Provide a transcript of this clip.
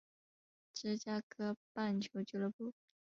芝加哥棒球俱乐部。